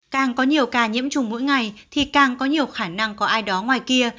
càng có nhiều ca nhiễm trùng mỗi ngày thì càng có nhiều khả năng có ai đó ngoài kia